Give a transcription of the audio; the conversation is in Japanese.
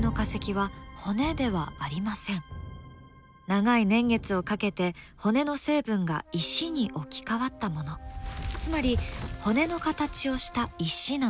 長い年月をかけて骨の成分が石に置き換わったものつまり骨の形をした石なのです。